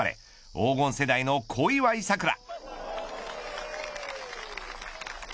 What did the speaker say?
黄金世代の小祝さくら。